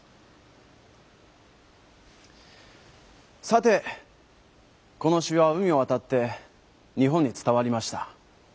さてこの詩は海をわたって日本につたわりました。